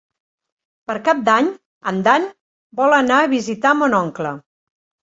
Per Cap d'Any en Dan vol anar a visitar mon oncle.